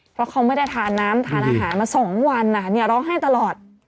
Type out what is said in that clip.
เพราะเขาไม่ได้ทานน้ำทานอาหารมา๒วันร้องไห้ตลอด